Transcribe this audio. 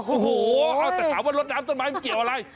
โอ้โหแต่ถามว่ารถน้ำต้นไม้มันเกี่ยวอะไร